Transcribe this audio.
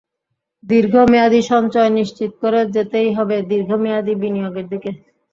দীর্ঘ মেয়াদি সঞ্চয় নিশ্চিত করে যেতেই হবে দীর্ঘ মেয়াদি বিনিয়োগের দিকে।